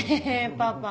パパ